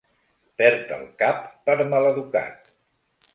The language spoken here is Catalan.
Perd el cap per maleducat.